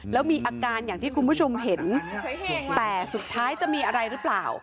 แล้วมีอาการอย่างที่คุณผู้ชมเห็นแต่สุดท้ายจะมีอะไรหรือเปล่า